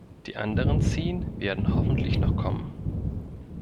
Die anderen zehn werden hoffentlich noch kommen.